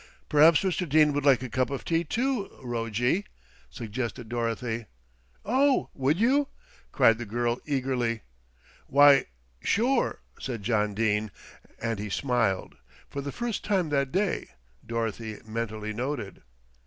"Perhaps Mr. Dene would like a cup of tea too, Rojjie," suggested Dorothy. "Oh, would you?" cried the girl eagerly. "Why, sure," said John Dene and he smiled, for the first time that day, Dorothy mentally noted.